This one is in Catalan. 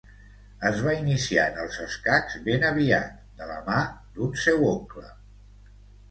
Es va iniciar en els escacs ben aviat, de la mà d'un seu oncle.